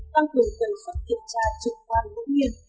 tăng cường cẩn xuất kiểm tra trực quan ngẫu nhiên